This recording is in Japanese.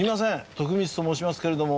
徳光と申しますけれども。